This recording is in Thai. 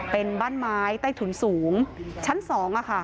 เป็นบ้านไม้ใต้ถุนสูงชั้น๒